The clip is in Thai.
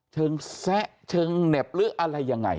แซะเชิงเหน็บหรืออะไรยังไง